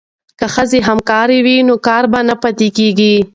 که ښځې همکارې وي نو کار به نه پاتې کیږي.